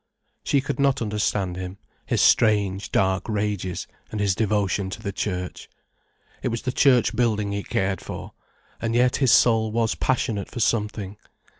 She could not understand him, his strange, dark rages and his devotion to the church. It was the church building he cared for; and yet his soul was passionate for something.